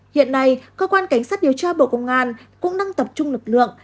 hiện nay cơ quan cảnh sát điều tra bộ công an cũng đang tập trung lực lượng